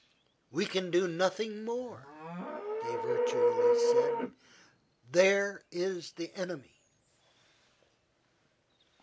"We can do nothing more," they virtually said. "There is the enemy."